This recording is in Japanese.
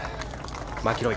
マキロイ。